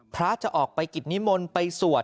จะออกไปกิจนิมนต์ไปสวด